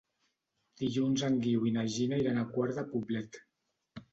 Dilluns en Guiu i na Gina iran a Quart de Poblet.